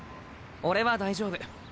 俺は大丈夫。